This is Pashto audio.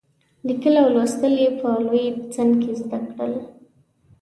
لیکل او لوستل یې په لوی سن کې زده کړل.